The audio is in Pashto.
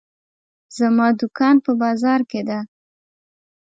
زما دوکان په بازار کې ده.